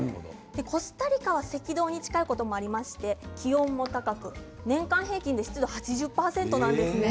コスタリカは赤道に近いこともありまして湿度も高く年間平均で湿度８０％なんですね。